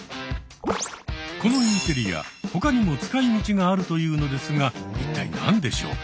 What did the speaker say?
このインテリア他にも使いみちがあるというのですが一体何でしょうか？